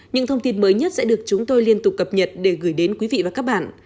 những thông tin mới nhất sẽ được chúng tôi liên tục cập nhật để gửi đến quý vị và các bạn